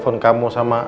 tidak tau berapa